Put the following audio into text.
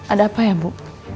ada apa ya bu